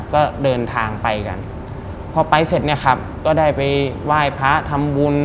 ก็เดินทางไปกันพอไปเสร็จเนี่ยครับก็ได้ไปไหว้พระทำบุญ